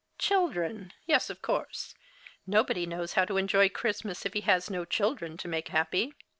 Children, yes, of course ! No body knows how to enjoy Christmas if he has no children to make happy.